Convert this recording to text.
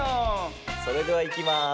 それではいきます。